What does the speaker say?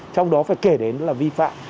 trong đó phải kể đến là vi phạm